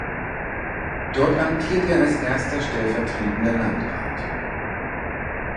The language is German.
Dort amtiert er als erster stellvertretender Landrat.